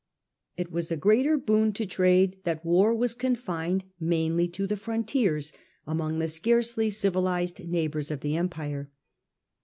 It was a greater boon to trade that war was confined mainly to the frontiers, among the scarcely confi d civilized neighbours of the Empire.